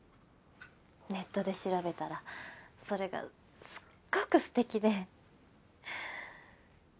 ネットで調べたらそれがすっごくすてきで。